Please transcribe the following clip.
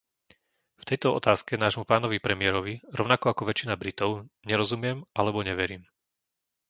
V tejto otázke nášmu pánovi premiérovi rovnako ako väčšia Britov nerozumiem alebo neverím.